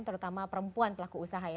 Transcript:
terutama perempuan pelaku usaha ya